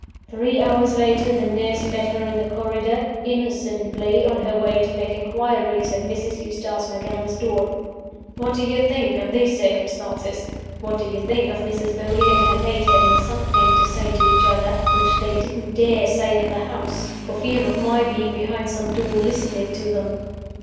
Three hours later the nurse met her in the corridor, innocently on her way to make inquiries at Mrs. Eustace Macallan's door. What do you think of these circumstances? What do you think of Mrs. Beauly and her maid having something to say to each other, which they didn't dare say in the house for fear of my being behind some door listening to them?